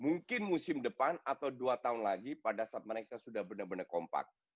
mungkin musim depan atau dua tahun lagi pada saat mereka sudah benar benar kompak